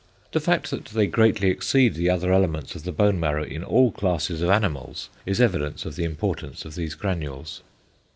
The fact that they greatly exceed the other elements of the bone marrow in all classes of animals, is evidence of the importance of these granules.